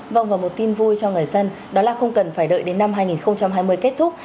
vâng và một tin vui cho người dân đó là không cần phải đợi đến năm hai nghìn hai mươi kết thúc